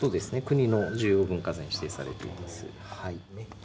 国の重要文化財に指定されていますはい。